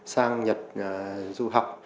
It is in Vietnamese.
sang nhật du học